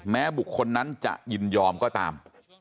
บุคคลนั้นจะยินยอมก็ตาม